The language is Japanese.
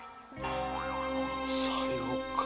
さようか。